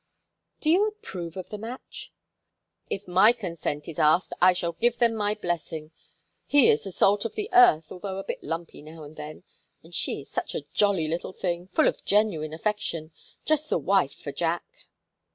"Do you approve of the match?" "If my consent is asked I shall give them my blessing. He is the salt of the earth, although a bit lumpy now and then; and she is such a jolly little thing, full of genuine affection just the wife for Jack."